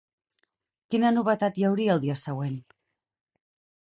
Quina novetat hi hauria el dia següent?